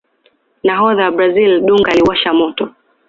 nahodha wa brazil dunga aliuwasha moto